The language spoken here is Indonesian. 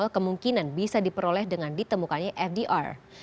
kemungkinan bisa diperoleh dengan ditemukannya fdr